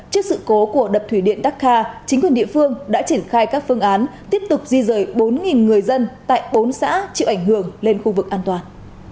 trước sự cố của đập thủy điện đắc kha chính quyền địa phương đã triển khai các phương án tiếp tục di rời bốn người dân tại bốn xã chịu ảnh hưởng lên khu vực an toàn